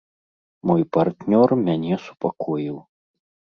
Мой партнёр мяне супакоіў.